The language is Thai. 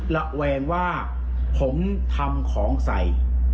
ระแวงว่าผมทำของใส่